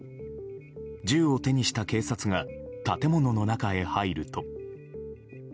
銃を手にした警察が建物の中へ入ると。